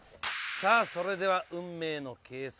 さあそれでは運命の計測。